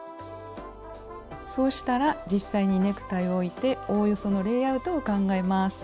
そうしたら実際にネクタイを置いておおよそのレイアウトを考えます。